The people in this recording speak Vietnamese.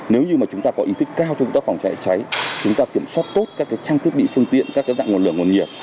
nếu như mà chúng ta có ý thức cao trong công tác phòng cháy cháy chúng ta kiểm soát tốt các trang thiết bị phương tiện các dạng nguồn lửa nguồn nhiệt